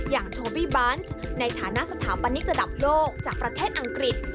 โทบี้บันซ์ในฐานะสถาปนิกระดับโลกจากประเทศอังกฤษ